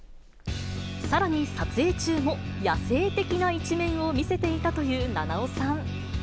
さらに、撮影中も野性的な一面を見せていたという菜々緒さん。